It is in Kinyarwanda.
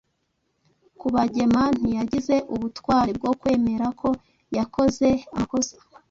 Kabagema ntiyagize ubutwari bwo kwemera ko yakoze amakosa.